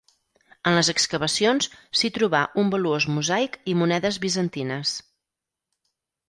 En les excavacions, s'hi trobà un valuós mosaic i monedes bizantines.